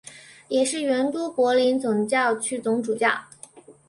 也是原都柏林总教区总主教。